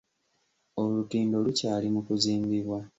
Olutindo lukyali mu kuzimbibwa.